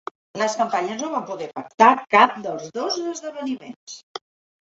Les campanyes no van poder pactar cap dels dos esdeveniments.